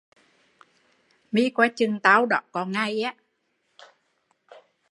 Mi coi chừng tao, có ngày!